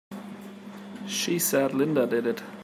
She said Linda did it!